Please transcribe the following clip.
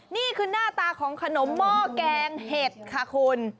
นี่คือหน้าตาของขนมหม้อแกงเห็ดค่ะคุณ